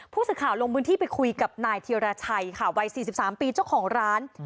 ผู้สื่อข่าวลงพื้นที่ไปคุยกับนายเทียรชัยค่ะวัย๔๓ปีเจ้าของร้าน